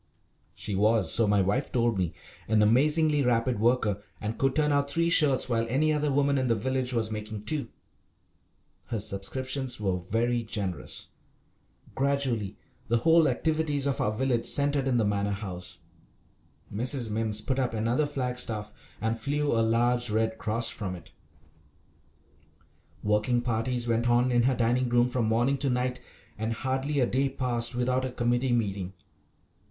She was, so my wife told me, an amazingly rapid worker, and could turn out three shirts while any other woman in the village was making two. Her subscriptions were very generous. Gradually the whole activities of our village centred in the Manor House. Mrs. Mimms put up another flag staff and flew a large Red Cross from it. Working parties went on in her dining room from morning to night, and hardly a day passed without a committee meeting.